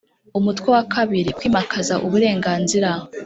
Umutwe wa kabiri Kwimakaza uburenganzira